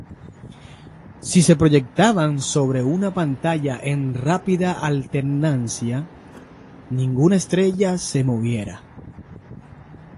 Si se proyectaban sobre una pantalla en rápida alternancia, ninguna estrella se movería.